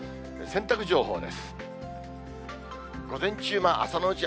洗濯情報です。